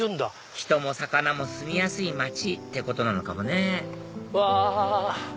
人も魚も住みやすい街ってことなのかもねうわ。